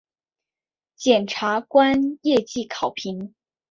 检察官业绩考评